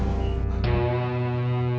saya gak berani